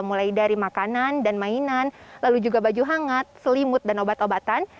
mulai dari makanan dan mainan lalu juga baju hangat selimut dan obat obatan